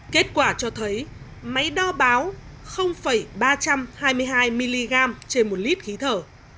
kết quả cho thấy máy đo báo ba trăm hai mươi hai mg trên một lít khí thở